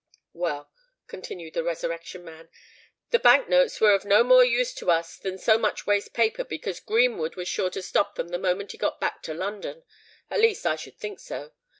"Well," continued the Resurrection Man, "the Bank notes were of no more use to us than so much waste paper, because Greenwood was sure to stop them the moment he got back to London: at least I should think so.